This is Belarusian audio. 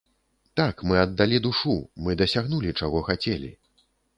Так, мы аддалі душу, мы дасягнулі, чаго хацелі.